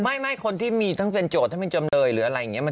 ไม่คนที่มีทั้งเป็นโจทย์ทั้งเป็นจำเลยหรืออะไรอย่างนี้